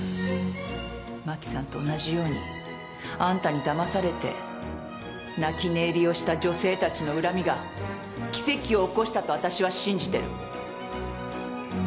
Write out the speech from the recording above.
真紀さんと同じようにあんたにだまされて泣き寝入りをした女性たちの恨みが奇跡を起こしたと私は信じてる。